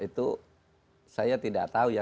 itu saya tidak tahu ya